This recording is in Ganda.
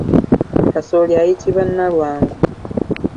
Kasooli ayitibwa nalwangu.